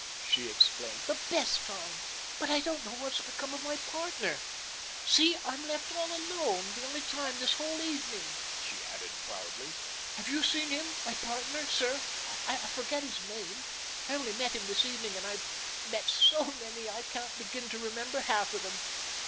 she exclaimed. "The best time but I don't know what has become of my partner. See! I'm left all alone the only time this whole evening," she added proudly. "Have you seen him my partner, sir? I forget his name. I only met him this evening, and I've met SO many I can't begin to remember half of them.